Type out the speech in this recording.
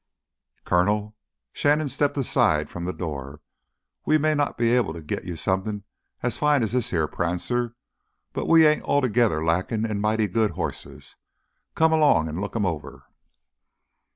"Coronel"—Shannon stepped aside from the door—"we may not be able to git you somethin' as fine as this here prancer, but we ain't altogether lackin' in mighty good hosses. Come 'long an' look 'em over...."